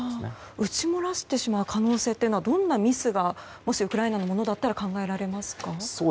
撃ち漏らしてしまう可能性というのはどんなミスがもしウクライナのものだったら考えられますか？